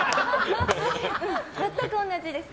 全く同じです。